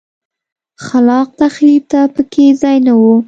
خلاق تخریب ته په کې ځای نه و.